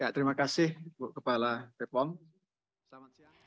ya terima kasih buk kepala pepong